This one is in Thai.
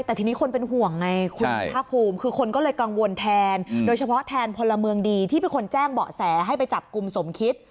แต่ทีนี้คนเป็นห่วงไงคุณภาคภูมิคือคนก็เลยกังวลแทนโดยเฉพาะแทนพลเมืองดีที่เป็นคนแจ้งเบาะแสให้ไปจับกลุ่มสมคิด